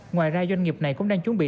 ngoài ra doanh nghiệp này cũng đang chuẩn bị